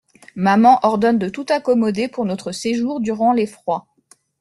Maman ordonne de tout accommoder pour notre séjour durant les froids.